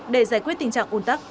để giải quyết tình trạng ồn tắc